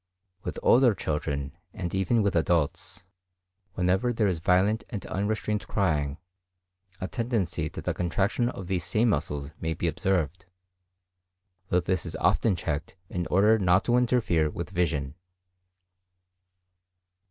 With older children, and even with adults, whenever there is violent and unrestrained crying, a tendency to the contraction of these same muscles may be observed; though this is often checked in order not to interfere with vision.